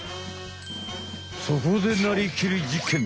そこでなりきり実験！